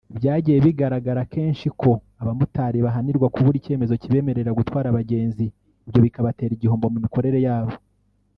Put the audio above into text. Byagiye bigaragara kenshi ko abamotari bahanirwa kubura icyemezo kibemerera gutwara abagenzi ibyo bikabatera igihombo mu mikorere yabo